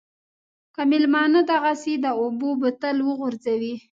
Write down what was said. که مېلمانه دغسې د اوبو بوتل وغورځوي.